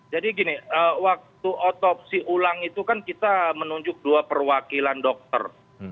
jadi gini waktu otopsi ulang itu kan kita menunjuk dua perwakilan dokter